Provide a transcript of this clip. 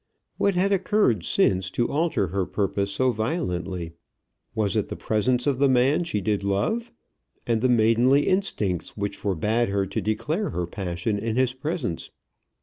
What had occurred since, to alter her purpose so violently? Was it the presence of the man she did love, and the maidenly instincts which forbade her to declare her passion in his presence?